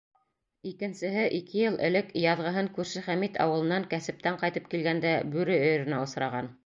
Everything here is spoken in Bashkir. Икенсеһе ике йыл элек яҙғыһын күрше Хәмит ауылынан кәсептән ҡайтып килгәндә бүре өйөрөнә осраған.